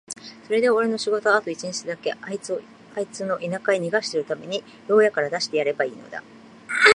それでおれの仕事はあと一日だけ、あいつをあいつの田舎へ逃してやるために牢屋から出してやればいいのだ。